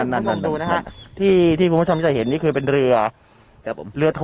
เรือโทงใช่ไหมครับ